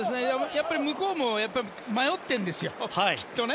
向こうも迷ってるんですよ、きっとね。